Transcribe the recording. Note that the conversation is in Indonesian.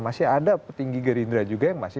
masih ada petinggi gerindra juga yang masih